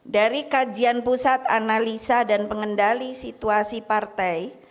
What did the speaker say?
dari kajian pusat analisa dan pengendali situasi partai